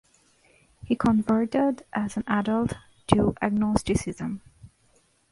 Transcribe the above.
He converted as an adult to agnosticism.